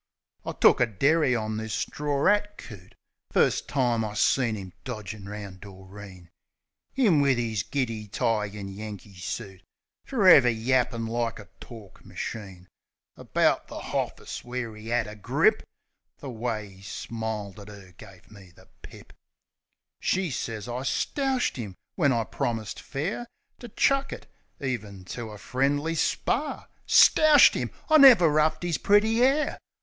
I took a derry on this stror 'at coot First time I seen 'im dodgin' round Doreen. 'Im, wiv 'is giddy tie an' Yankee soot, Ferever yappin' like a tork machine About "The Hoffis" where 'e 'ad a grip. ... The way 'e smiled at 'er give me the pip! 50 THE SENTIMENTAL BLOKE She sez I stoushed 'im, when I promised fair To chuck it, even to a friendly spar. Stoushed 'iml I never roughed 'is pretty 'air!